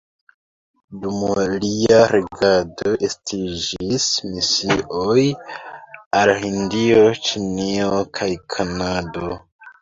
Dum lia regado estiĝis misioj al Hindio, Ĉinio kaj Kanado.